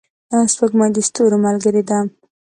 سپوږمۍ د ستورو ملګرې ده.